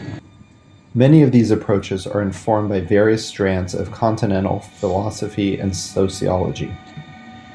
Many of these approaches are informed by various strands of Continental philosophy and sociology.